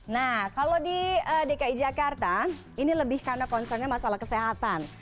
nah kalau di dki jakarta ini lebih karena concernnya masalah kesehatan